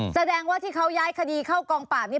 แสดงว่าที่เขาย้ายคดีเข้ากองปราบนี้